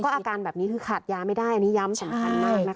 อาการแบบนี้คือขาดยาไม่ได้อันนี้ย้ำสำคัญมากนะคะ